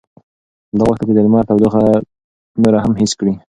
ده غوښتل چې د لمر تودوخه نوره هم حس کړي.